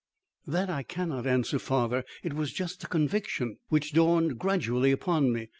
"That I cannot answer, father; it was just a conviction which dawned gradually upon me.